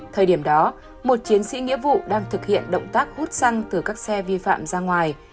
thời điểm đó một chiến sĩ nghĩa vụ đang thực hiện động tác hút xăng từ các xe vi phạm ra ngoài